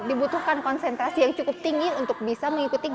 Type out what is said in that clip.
dibutuhkan konsentrasi yang cukup tinggi untuk bisa mengikuti